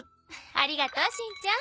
ありがとうしんちゃん。